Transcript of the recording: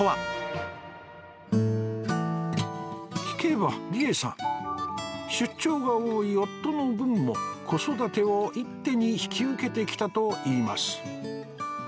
聞けば理恵さん出張が多い夫の分も子育てを一手に引き受けてきたといいます